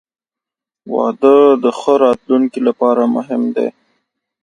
• واده د ښه راتلونکي لپاره مهم دی.